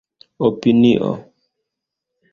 opinio